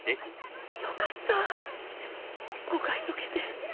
よかった誤解解けて